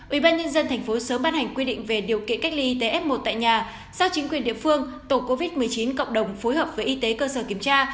ủy ban nhân dân thành phố sớm ban hành quy định về điều kiện cách ly y tế f một tại nhà sau chính quyền địa phương tổ covid một mươi chín cộng đồng phối hợp với y tế cơ sở kiểm tra